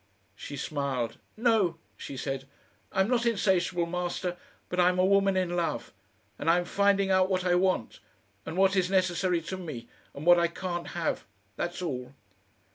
She smiled "No," she said. "I'm not insatiable, Master. But I'm a woman in love. And I'm finding out what I want, and what is necessary to me and what I can't have. That's all."